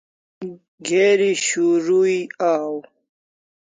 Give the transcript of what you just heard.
Geri shurui aw